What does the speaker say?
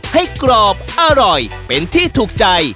กรอบอร่อยเป็นที่ถูกใจ